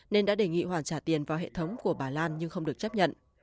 nên đã đề nghị hoàn trả tiền vào hệ thống của bà lan nhưng không được chấp nhận